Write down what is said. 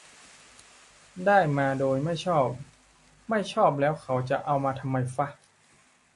"ได้มาโดยไม่ชอบ" ไม่ชอบแล้วเค้าจะเอามาทำไมฟะ